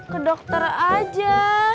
ke dokter aja